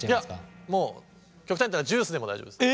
いやもう極端に言ったらジュースでも大丈夫です。